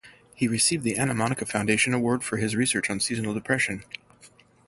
He received the Anna Monika Foundation Award for his research on seasonal depression.